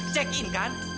check in kan